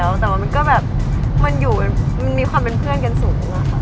แต่ว่ามันก็แบบมันอยู่มีความเป็นเพื่อนกันสูงอะค่ะ